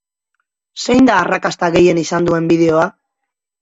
Zein da arrakasta gehien izan duen bideoa?